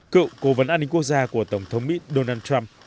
cựu cố vấn an ninh quốc gia của tổng thống mỹ donald trump